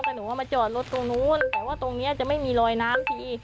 แต่หนูเอามาจอดรถตรงนู้นแต่ว่าตรงนี้จะไม่มีรอยน้ำที